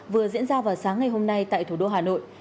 vừa diễn ra vào sáng ngày hôm nay tại thủ đô hà nội